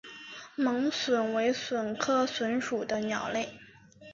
猛隼为隼科隼属的鸟类。